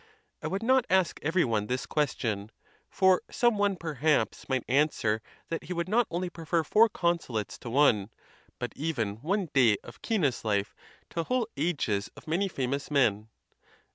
183 I would not ask every one this question; for some one perhaps might answer that he would not only prefer four consulates to one, but even one day of Cinna's life to whole ages of many famous men.